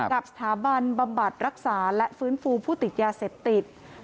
กับสถาบันบำบัดรักษาและฟื้นฟูผู้ติดยาเสพติด